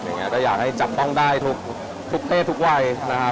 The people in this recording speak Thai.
อย่างนี้ก็อยากให้จัดป้องได้ทุกเพศทุกวัยนะครับ